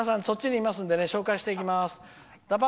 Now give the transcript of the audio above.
そっちにいますので紹介していきます。